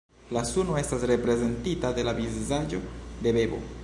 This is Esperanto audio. La suno estas reprezentita de la vizaĝo de bebo.